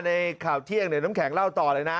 ในข่าวเที่ยงเนี่ยน้ำแข็งเล่าต่อเลยนะ